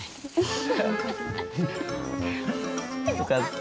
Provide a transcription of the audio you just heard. よかった。